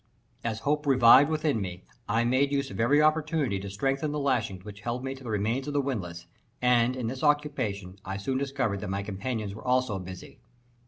As hope revived within me, I made use of every opportunity to strengthen the lashings which held me to the remains of the windlass, and in this occupation I soon discovered that my companions were also busy.